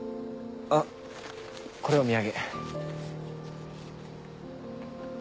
あっこれお土産。